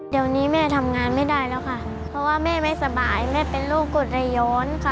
เดี๋ยวนี้แม่ทำงานไม่ได้แล้วค่ะเพราะว่าแม่ไม่สบายแม่เป็นโรคกดไรย้อนค่ะ